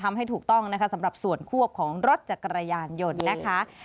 ทำให้ถูกต้องนะคะสำหรับส่วนควบของรถจักรยานยนต์นะคะ